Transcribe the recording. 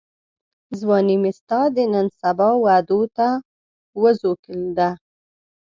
ځواني مي ستا د نن سبا وعدو ته وزوکلېده